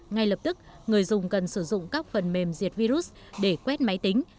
ngay lập tức người dùng cần sử dụng các phần mềm diệt virus để quét máy tính